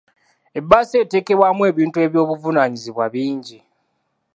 Ebbaasa eteekebwamu ebintu by'obuvunaanyizibwa bingi.